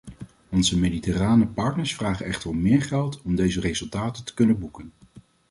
Onze mediterrane partners vragen echter om meer geld om deze resultaten te kunnen boeken.